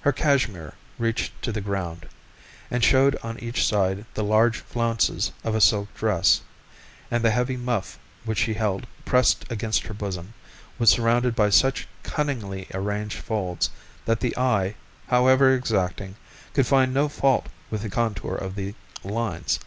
Her cashmere reached to the ground, and showed on each side the large flounces of a silk dress, and the heavy muff which she held pressed against her bosom was surrounded by such cunningly arranged folds that the eye, however exacting, could find no fault with the contour of the lines.